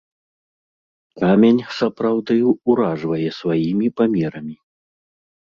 Камень, сапраўды, уражвае сваімі памерамі!